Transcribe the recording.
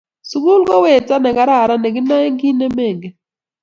Sikul ko weto ne kararan ne kinoe kiit ne mengen.